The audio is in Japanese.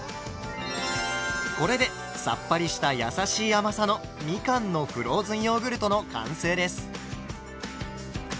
これでさっぱりしたやさしい甘さのみかんのフローズンヨーグルトの完成です。